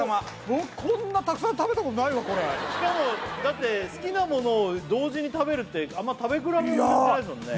僕こんなたくさん食べたことないわこれしかもだって好きなものを同時に食べるってあんま食べ比べもないですもんね